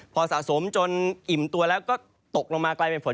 พอสะสมจนอิ่มตัวแล้วก็ตกลงมากลายเป็นฝน